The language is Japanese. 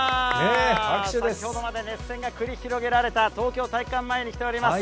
先ほどまで熱戦が繰り広げられた、東京体育館前に来ております。